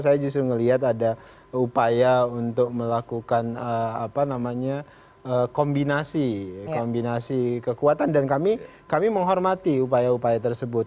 saya justru melihat ada upaya untuk melakukan kombinasi kekuatan dan kami menghormati upaya upaya tersebut